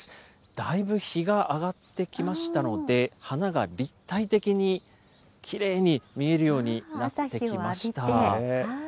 だいぶ日が上がってきましたので、花が立体的にきれいに見えるようになってきました。